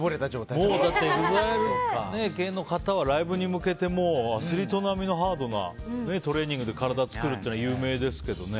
だって、ＥＸＩＬＥ系の方はライブに向けてアスリート並みのハードなトレーニングで体を作るっていうのは有名ですけどね。